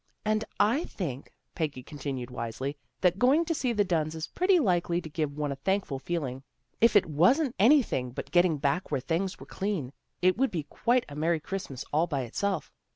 " And I think," Peggy continued wisely, " that going to see the Dunns is pretty likely to give one a thankful feeling. If it wasn't anything but getting back where things were clean, it would be quite a merry Christmas all by itself.